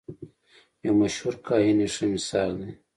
یو مشهور کاهن یې ښه مثال دی.